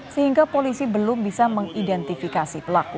sehingga polisi belum bisa mengidentifikasi pelaku